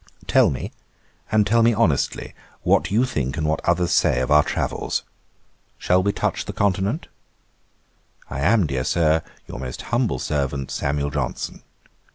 'Tell me, and tell me honestly, what you think and what others say of our travels. Shall we touch the continent? 'I am, dear Sir, 'Your most humble servant, 'SAM. JOHNSON.'